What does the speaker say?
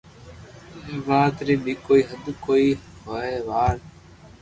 وات ري بي ڪوئي ھد ھوئي ھي وار